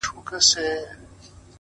بيا دې د دوو سترگو تلاوت شروع کړ!!